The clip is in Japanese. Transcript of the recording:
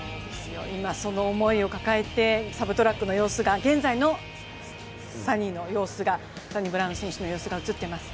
今、その思いを抱えてサブトラックの様子が、現在のサニブラウン選手の様子が映っています。